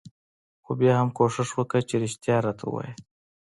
خو بيا هم کوښښ وکه چې رښتيا راته وايې.